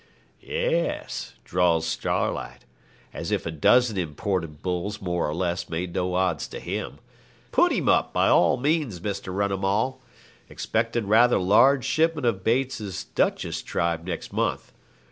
'Yes!' drawls Starlight, as if a dozen imported bulls, more or less, made no odds to him, 'put him up, by all means, Mr. Runnimall. Expectin' rather large shipment of Bates's "Duchess" tribe next month.